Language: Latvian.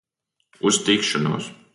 Uz tikšanos!